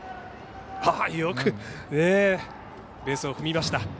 よくベースを踏みました。